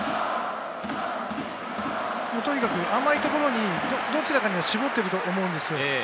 とにかく甘いところに、どちらかに絞ってると思うんですよ。